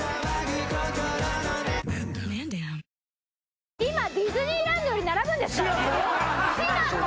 続く今ディズニーランドより並ぶんですからねしなこ